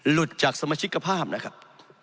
หลุดจากสมาชิกภาพนะครับ